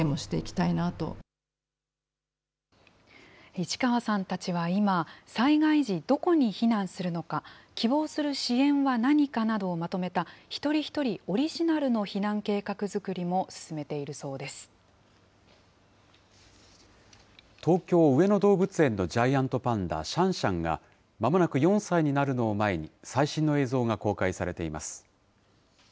市川さんたちは今、災害時どこに避難するのか、希望する支援は何かなどをまとめた一人一人オリジナルの避難計画東京・上野動物園のジャイアントパンダ、シャンシャンが、まもなく４歳になるのを前に、最新の映像が公開されています。